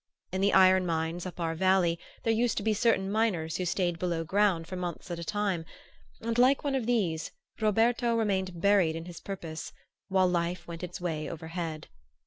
In the iron mines up our valley there used to be certain miners who stayed below ground for months at a time; and, like one of these, Roberto remained buried in his purpose, while life went its way overhead.